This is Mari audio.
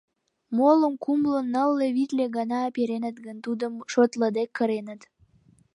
Молым кумло, нылле, витле гана переныт гын, тудым шотлыде кыреныт.